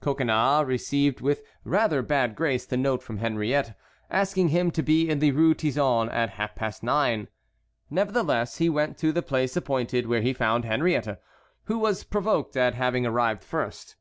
Coconnas received with rather bad grace the note from Henriette, asking him to be in the Rue Tizon at half past nine. Nevertheless he went to the place appointed, where he found Henriette, who was provoked at having arrived first.